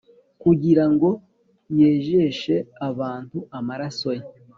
“kugira ngo yejeshe abantu amaraso ye,”